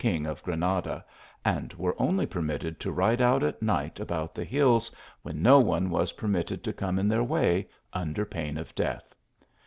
ing of Granada, and were only permitted to ride out at night about the hills, when no one was per mitted to come in their way, under pain of death.